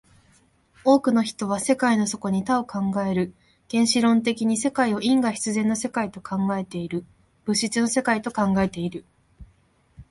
多くの人は世界の底に多を考える、原子論的に世界を因果必然の世界と考えている、物質の世界と考えている。